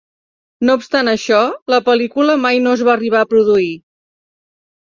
No obstant això, la pel·lícula mai no es va arribar a produir.